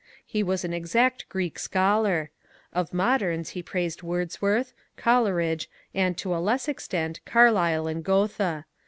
He was an exact Greek scholar. Of modems he praised Wordsworth, Coleridge, and, to a less extent, Carlyle and Gt>ethe.